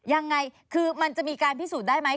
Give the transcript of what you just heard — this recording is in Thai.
ยังไงคือมันจะมีการพิสูจน์ได้ไหม